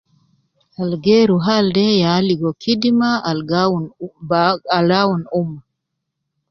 Al geeru hal de ya ligo kidima al ga awun u ba, al awunu ummah.